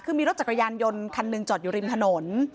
คือมีรถจักรยานยนต์คันหนึ่งจอดอยู่ริมถนน